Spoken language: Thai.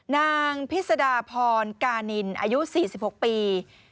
นางพิษดาพรกานินอายุ๔๖ปี